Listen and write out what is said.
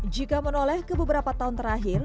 jika menoleh ke beberapa tahun terakhir